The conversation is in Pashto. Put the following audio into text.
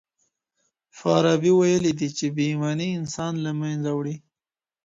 فارابي ويلي دي چي بې ايماني انسان له منځه وړي.